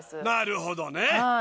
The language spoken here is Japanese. なるほどね。